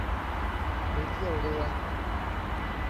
มีเที่ยวเรือ